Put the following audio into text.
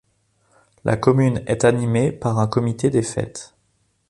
La commune est animée par un comité des fêtes.